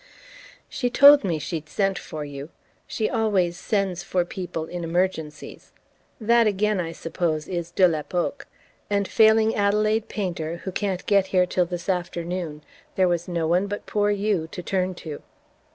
"She told me she'd sent for you: she always 'sends for' people in emergencies. That again, I suppose, is DE L'EPOQUE. And failing Adelaide Painter, who can't get here till this afternoon, there was no one but poor you to turn to."